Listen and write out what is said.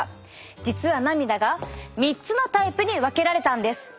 実は涙が３つのタイプに分けられたんです。